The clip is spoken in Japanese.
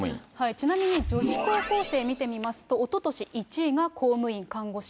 ちなみに女子高校生見てみますと、おととし、１位が公務員、看護師。